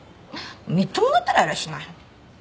みっともないったらありゃしない！